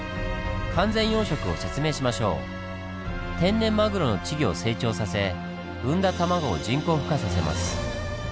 天然マグロの稚魚を成長させ産んだ卵を人工ふ化させます。